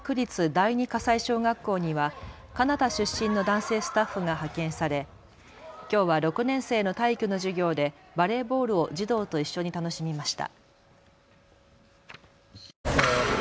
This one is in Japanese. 第二葛西小学校にはカナダ出身の男性スタッフが派遣されきょうは６年生の体育の授業でバレーボールを児童と一緒に楽しみました。